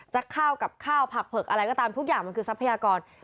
ข้าวกับข้าวผักเผิกอะไรก็ตามทุกอย่างมันคือทรัพยากร